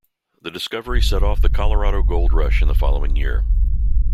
The discovery set off the Colorado Gold Rush in the following year.